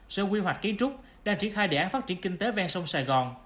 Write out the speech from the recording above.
sở quy hoạch kiến trúc đang triển khai đề án phát triển kinh tế ven sông sài gòn